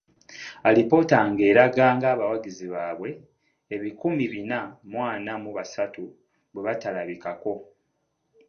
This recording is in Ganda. Alipoota nga eraga ng'abawagizi baabwe ebikumi Bina mu ana mu basatu bwe batalabikako.